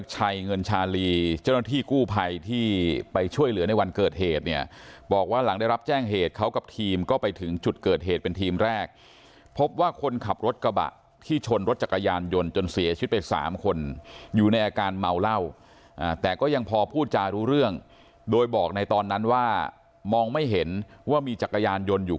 เงินชาลีเจ้าหน้าที่กู้ภัยที่ไปช่วยเหลือในวันเกิดเหตุเนี่ยบอกว่าหลังได้รับแจ้งเหตุเขากับทีมก็ไปถึงจุดเกิดเหตุเป็นทีมแรกพบว่าคนขับรถกระบะที่ชนรถจักรยานยนต์จนเสียชีวิตไปสามคนอยู่ในอาการเมาเหล้าแต่ก็ยังพอพูดจารู้เรื่องโดยบอกในตอนนั้นว่ามองไม่เห็นว่ามีจักรยานยนต์อยู่